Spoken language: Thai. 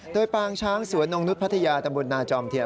โดยปางช้างสวนนงนุษย์พัทยาตำบลนาจอมเทียม